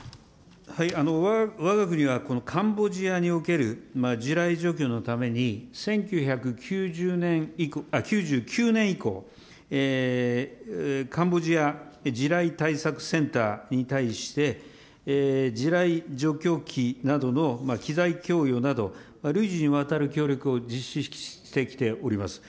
わが国はこのカンボジアにおける地雷除去のために、１９９９年以降、カンボジア地雷対策センターに対して、地雷除去機などの機材供与など、累次にわたる協力を実施してきております。